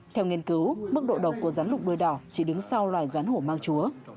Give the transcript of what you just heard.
theo nghiên cứu mức độ độc của rắn lục đuôi đỏ chỉ đứng sau loài rắn hổ mang chúa